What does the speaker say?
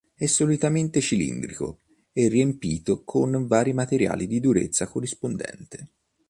È solitamente cilindrico e riempito con vari materiali di durezza corrispondente.